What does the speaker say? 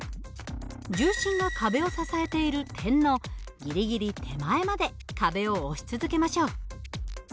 重心が壁を支えている点のギリギリ手前まで壁を押し続けましょう。